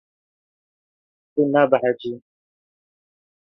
Tu nabehecî.